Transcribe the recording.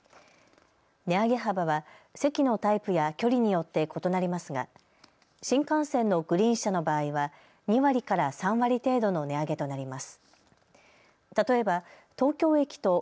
値上げ幅は席のタイプや距離によって異なりますが新幹線のグリーン車の場合は２割から３割程度の値上げとなります。